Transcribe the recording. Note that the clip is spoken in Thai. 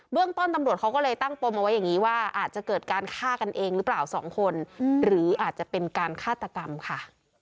เรื่องต้นตำรวจเขาก็เลยตั้งปมเอาไว้อย่างนี้ว่าอาจจะเกิดการฆ่ากันเองหรือเปล่าสองคนหรืออาจจะเป็นการฆาตกรรมค่ะ